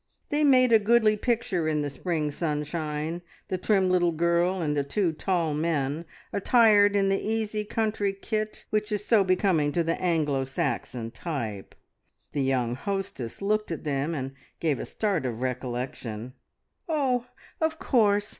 They made a goodly picture in the spring sunshine the little trim girl and the two tall men attired in the easy country kit which is so becoming to the Anglo Saxon type. The young hostess looked at them and gave a start of recollection. "Oh, of course!